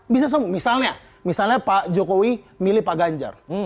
bisa song misalnya pak jokowi milih pak ganjar